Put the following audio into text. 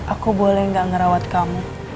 aku boleh gak ngerawat kamu